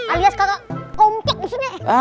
alias kagak kompok maksudnya